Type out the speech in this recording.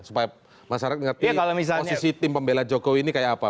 supaya masyarakat mengerti posisi tim pembela jokowi ini kayak apa